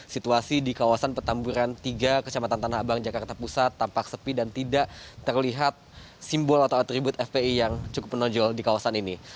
situasi di kawasan petamburan tiga kecamatan tanah abang jakarta pusat tampak sepi dan tidak terlihat simbol atau atribut fpi yang cukup menonjol di kawasan ini